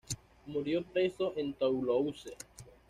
Murió preso en Toulouse.